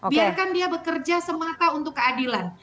biarkan dia bekerja semata untuk keadilan